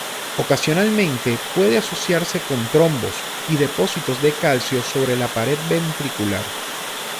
Ocasionalmente, puede asociarse con trombos y depósitos de calcio sobre la pared ventricular.